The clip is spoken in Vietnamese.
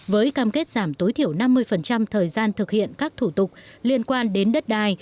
với cam kết giảm tối thiểu năm mươi thời gian thực hiện các thủ tục liên quan đến đất đai